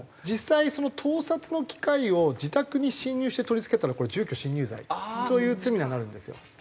実際その盗撮の機械を自宅に侵入して取り付けたらこれ住居侵入罪という罪にはなるんですよ。